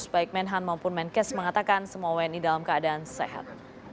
baik menhan maupun menkes mengatakan semua wni dalam keadaan sehat